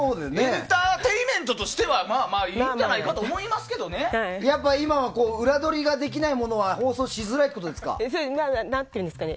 エンターテインメントとしてはいいんじゃないかとやっぱり今は裏取りができないものは放送しづらいということですか。